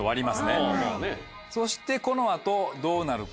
そしてこの後どうなるか？